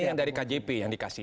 ini yang dari kjp yang dikasih